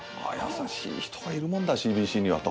優しい人がいるもんだＣＢＣにはと。